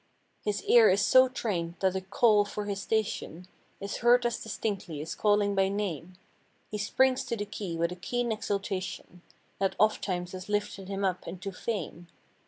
His ear is so trained that the "call" for his station Is heard as distinctly as calling by name; He springs to the key with a keen exultation That ofttimes has lifted him up into fame.